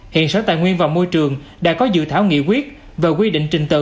hiện sở tài nguyên và môi trường đã có dự thảo nghị quyết về quy định trình tự